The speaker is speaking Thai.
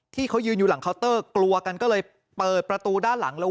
ที่เขายืนอยู่หลังเคาน์เตอร์กลัวกันก็เลยเปิดประตูด้านหลังแล้ว